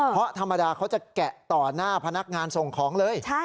เพราะธรรมดาเขาจะแกะต่อหน้าพนักงานส่งของเลย